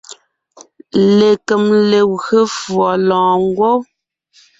Lekem legwé fùɔ lɔ̀ɔngwɔ́.